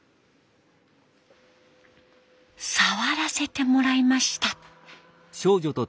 触らせてもらいました。